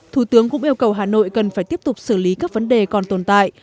thủ tướng cũng yêu cầu hà nội cần phải tiếp tục xử lý các vấn đề còn tồn tại